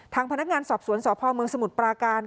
ทางพนักงานสอบสวนสพเมืองสมุทรปราการ